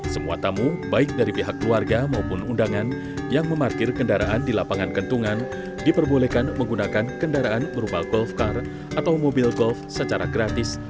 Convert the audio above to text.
semua tamu baik dari pihak keluarga maupun undangan yang memarkir kendaraan di lapangan kentungan diperbolehkan menggunakan kendaraan berupa golf car atau mobil golf secara gratis